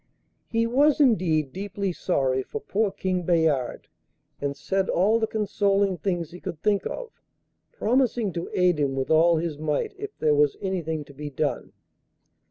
He was indeed deeply sorry for poor King Bayard, and said all the consoling things he could think of, promising to aid him with all his might if there was anything to be done.